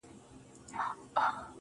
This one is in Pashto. خو زه,